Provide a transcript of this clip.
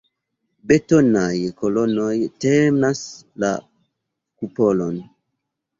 Betonaj kolonoj tenas la kupolon.